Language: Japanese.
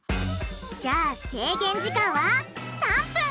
じゃあ制限時間は３分！